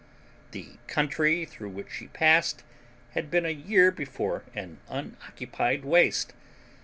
The country through which she passed had been a year before an unoccupied waste.